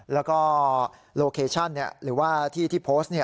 แล้วก็โลเคชั่นหรือว่าที่ที่โพสต์